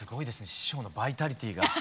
師匠のバイタリティーが。